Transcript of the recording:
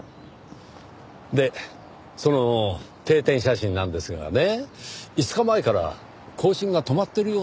でその定点写真なんですがね５日前から更新が止まってるようなんですよ。